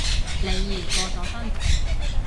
李怡過咗身